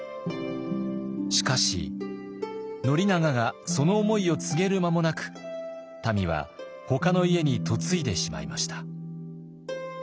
しかし宣長がその思いを告げる間もなくたみはほかの家に嫁いでしまいました。